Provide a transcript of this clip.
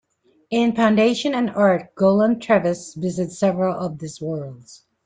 In "Foundation and Earth", Golan Trevize visits several of these worlds.